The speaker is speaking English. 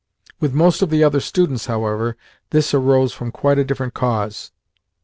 With most of the other students, however, this arose from quite a different cause.